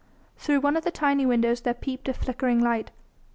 Through one of the tiny windows there peeped a flickering light.